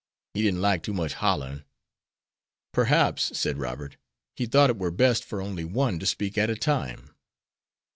He didn't like too much hollerin'." "Perhaps," said Robert, "he thought it were best for only one to speak at a time."